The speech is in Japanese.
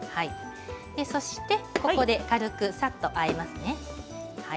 そして、ここで軽くさっとあえますね。